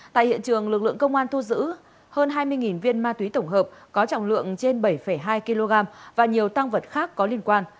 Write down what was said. tại hiện trường lực lượng công an thu giữ hơn hai mươi viên ma túy tổng hợp có trọng lượng trên bảy hai kg và nhiều tăng vật khác có liên quan